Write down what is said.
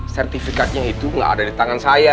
sertifikatnya itu nggak ada di tangan saya